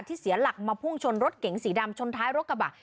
เสียหลักมาพุ่งชนรถเก๋งสีดำชนท้ายรถกระบะ